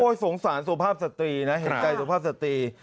โอ้ยสงสารสภาพสตรีน่ะเห็นใจสภาพสตรีครับ